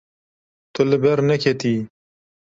Tu li ber neketiyî.